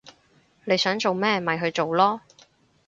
你想做乜咪去做囉